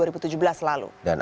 dan aksi yang berlangsung